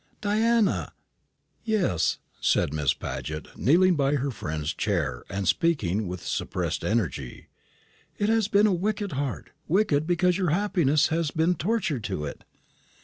"Diana!" "Yes," said Miss Paget, kneeling by her friend's chair, and speaking with suppressed energy; "it has been a wicked heart wicked because your happiness has been torture to it."